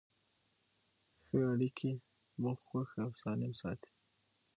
ښه اړیکې موږ خوښ او سالم ساتي.